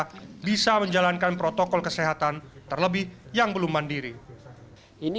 siswa tunanetra bisa menjalankan protokol kesehatan terlebih yang belum mandiri ini